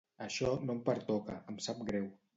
Això no em pertoca, em sap greu.